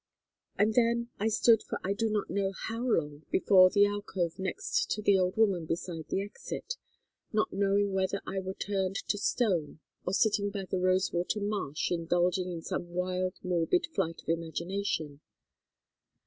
"And then I stood for I do not know how long before the alcove next to the old woman beside the exit, not knowing whether I were turned to stone or sitting by the Rosewater marsh indulging in some wild morbid flight of imagination.